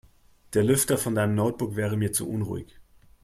Der Lüfter von deinem Notebook wäre mir zu unruhig.